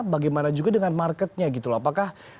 bagaimana juga dengan marketnya gitu loh apakah